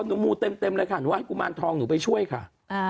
มูเต็มเลยค่ะหนูว่าให้กุมารทองหนูไปช่วยค่ะ